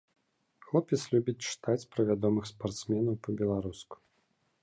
Хлопец любіць чытаць пра вядомых спартсменаў па-беларуску.